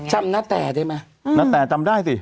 จำนาแต่ได้ไหมนาแต่จำได้สิ